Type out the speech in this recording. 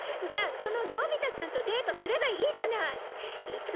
じゃあそののび太さんとデートすればいいじゃない！